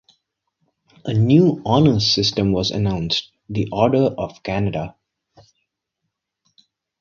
A new honours system was announced, the Order of Canada.